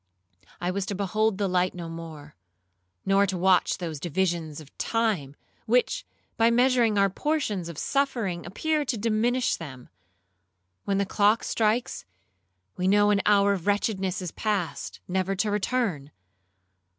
I was to behold the light no more; nor to watch those divisions of time, which, by measuring our portions of suffering, appear to diminish them. When the clock strikes, we know an hour of wretchedness is past, never to return.